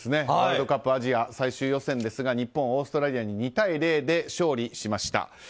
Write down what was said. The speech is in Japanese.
ワールドカップアジア最終予選ですが日本、オーストラリアに２対０で勝利しました。